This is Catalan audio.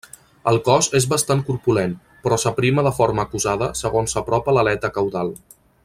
El cos és bastant corpulent, però s'aprima de forma acusada segons s'apropa a l'aleta caudal.